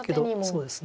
そうですね。